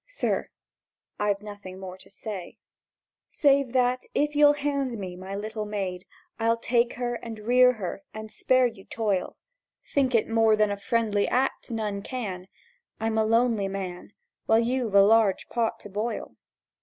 —Sir, I've nothing more to say, "Save that, if you'll hand me my little maid, I'll take her, and rear her, and spare you toil. Think it more than a friendly act none can; I'm a lonely man, While you've a large pot to boil.